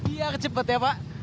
biar cepat ya pak